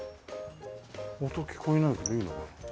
音聞こえないけどいいのかな？